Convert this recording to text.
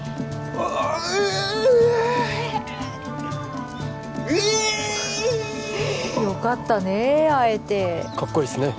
おおえええっよかったね会えてかっこいいっすね